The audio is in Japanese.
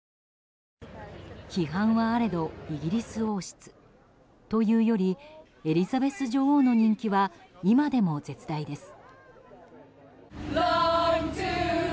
批判はあれどイギリス王室。というよりエリザベス女王の人気は今でも絶大です。